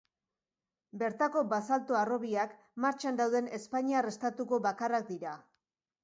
Bertako basalto-harrobiak martxan dauden espainiar estatuko bakarrak dira.